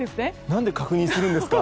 何で確認するんですか！